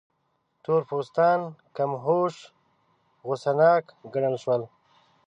تور پوستان کم هوښ، غوسه ناک ګڼل شول.